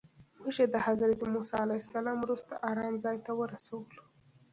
موږ یې د حضرت موسی علیه السلام وروستي ارام ځای ته ورسولو.